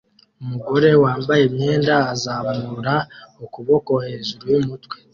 Umugore wambaye imyenda azamura ukuboko hejuru yumutwe